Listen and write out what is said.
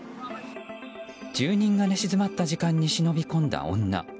住人が寝静まった時間に忍び込んだ女。